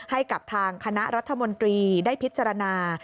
ให้กับทางคณะรัฐมนตรีได้พิจารณา